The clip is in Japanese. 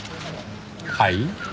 はい？